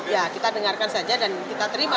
ya kita dengarkan saja dan kita terima